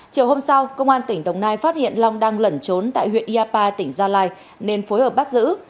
chiều hôm sau công an tỉnh đồng nai phát hiện long đang lẩn trốn tại huyện yapa tỉnh gia lai nên phối hợp bắt giữ